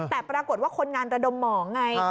แต่ปรากฏว่าคนงานระดมหมองไง